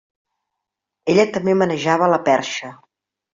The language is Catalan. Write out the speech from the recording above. Ella també manejava la perxa.